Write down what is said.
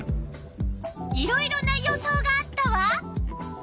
いろいろな予想があったわ。